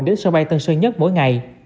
đến sân bay tân sơ nhất mỗi ngày